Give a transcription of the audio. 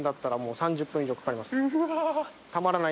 うわ。